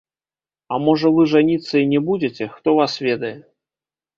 А можа вы жаніцца і не будзеце, хто вас ведае?